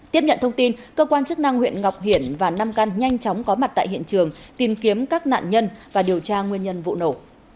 tiếp nhận thông tin cơ quan chức năng huyện ngọc hiển và nam căn nhanh chóng có mặt tại hiện trường tìm kiếm các nạn nhân và điều tra nguyên nhân vụ nổ